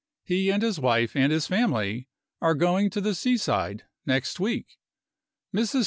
He and his wife and his family are going to the seaside, next week. Mrs.